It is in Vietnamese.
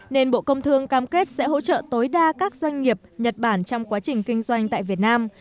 nên bộ công thương cam kết sẽ hỗ trợ tối đa các doanh nghiệp nhật bản trong quá trình kinh doanh tại việt nam